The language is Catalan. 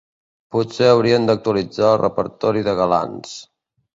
Potser haurien d'actualitzar el repertori de galants.